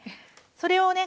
それをね